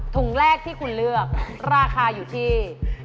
ถุงแรกที่คุณเลือกราคาอยู่ที่